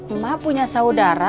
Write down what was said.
ima punya saudara